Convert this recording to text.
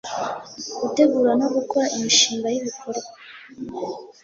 gutegura no gukora imishinga y ibikorwa